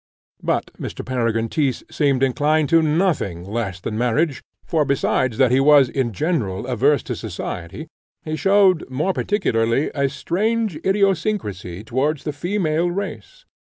But Mr. Peregrine Tyss seemed inclined to nothing less than marriage; for besides that he was in general averse to society, he showed more particularly a strange idiosyncrasy towards the female race.